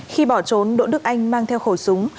khi bỏ trốn đỗ đức anh mang theo khẩu súng